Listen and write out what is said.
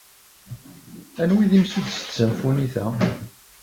Anwa ay d imsuddes n tsamfunit-a?